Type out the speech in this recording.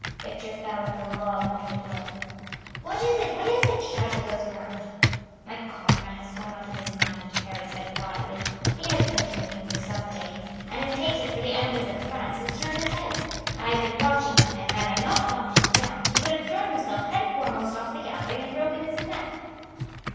Victor fell like a log under the blow. "What is it? What is it?" shouted those around. "My comrade has gone out of his mind," Harry said quietly; "he has been drinking for some days, and his hatred for the enemies of France has turned his head. I have been watching him, and had I not knocked him down he would have thrown himself head foremost off the gallery and broken his neck."